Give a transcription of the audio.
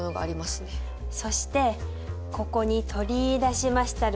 そしてここに取り出しましたる